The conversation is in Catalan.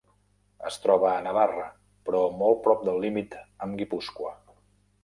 Es troba a Navarra, però molt prop del límit amb Guipúscoa.